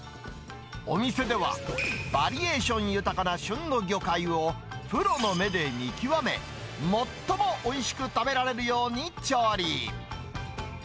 お店ではバリエーション豊かな旬の魚介をプロの目で見極め、最もおいしく食べられるように調理。